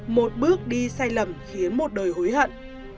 một bước đi sai lầm khiến một đời hối hận